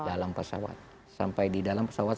dalam pesawat sampai di dalam pesawat